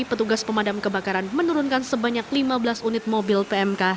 petugas pemadam kebakaran menurunkan sebanyak lima belas unit mobil pmk